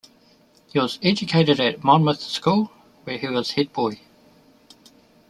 He was educated at Monmouth School, where he was head boy.